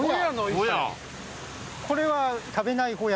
これは食べないホヤ。